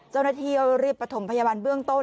เจ้าหน้าที่รีบประถมพยาบาลเบื้องต้น